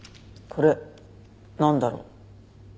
これなんだろう？